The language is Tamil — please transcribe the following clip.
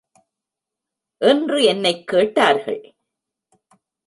என்று என்னைக் கேட்டார்கள்.